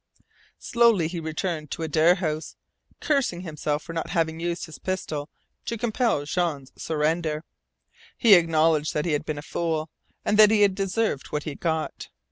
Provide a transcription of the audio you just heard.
Slowly he returned to Adare House, cursing himself for not having used his pistol to compel Jean's surrender. He acknowledged that he had been a fool, and that he had deserved what he got.